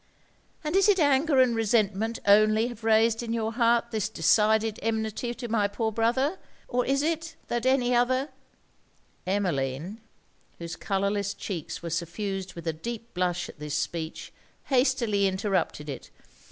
'And is it anger and resentment only have raised in your heart this decided enmity to my poor brother? Or is it, that any other ' Emmeline, whose colourless cheeks were suffused with a deep blush at this speech, hastily interrupted it.